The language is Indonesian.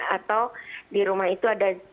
atau di rumah itu ada